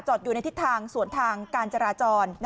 อยู่ในทิศทางสวนทางการจราจร